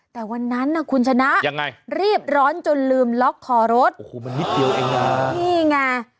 แต่วันนั้นคุณชนะรีบร้อนจนลืมล็อกคอรถโอ้โฮมันนิดเดียวไอ้งานนี่ไง